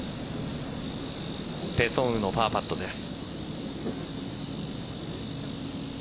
ペ・ソンウのパーパットです。